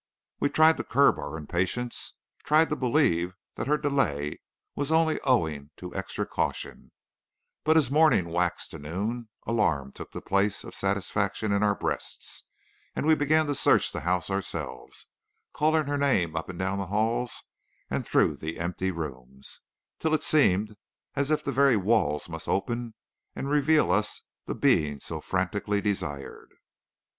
We tried to curb our impatience, tried to believe that her delay was only owing to extra caution; but as morning waxed to noon, alarm took the place of satisfaction in our breasts, and we began to search the house ourselves, calling her name up and down the halls and through the empty rooms, till it seemed as if the very walls must open and reveal us the being so frantically desired.